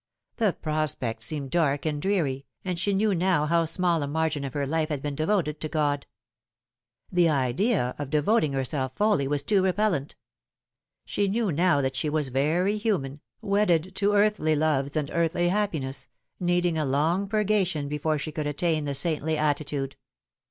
The prospect seemed dark and dreary, and she knew now how small a margin of her life had been devoted to God. The idea of devoting herself wholly was too repellent. She knew now that she was very human, wedded to earthly loves and earthly happiness, needing a long purgation before she could attain the saintly attitude.